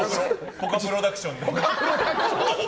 ぽかプロダクションね。